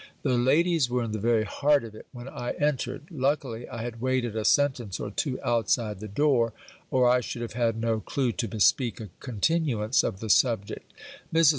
The ladies were in the very heart of it when I entered. Luckily, I had waited a sentence or two outside the door, or I should have had no clue to bespeak a continuance of the subject. Mrs.